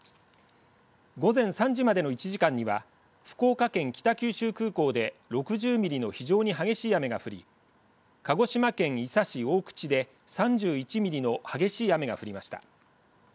午前３時までの１時間には福岡県北九州空港で６０ミリの非常に激しい雨が降り鹿児島県伊佐市大口で３１ミリの激しい雨が降りました。